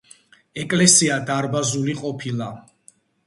ეკლესია დარბაზული ყოფილა.